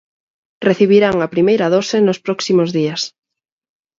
Recibirán a primeira dose nos próximos días.